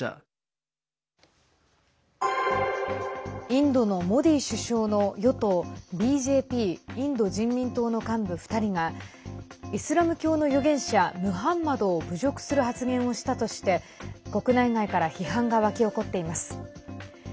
インドのモディ首相の与党ＢＪＰ＝インド人民党の幹部２人がイスラム教の預言者ムハンマドを侮辱する発言をしたとして国内外から批判が湧き起こっています。